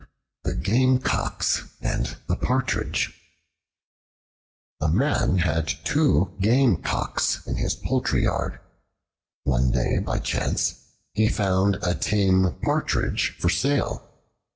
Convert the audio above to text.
The Gamecocks and the Partridge A MAN had two Gamecocks in his poultry yard. One day by chance he found a tame Partridge for sale.